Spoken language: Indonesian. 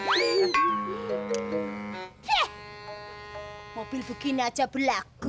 wah mobil begini aja berlaku